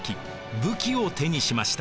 武器を手にしました。